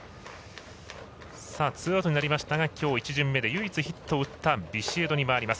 ツーアウトになりましたがきょう１巡目で唯一ヒットを打ったビシエドに回ります。